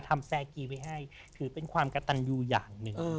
แซกีไว้ให้ถือเป็นความกระตันยูอย่างหนึ่ง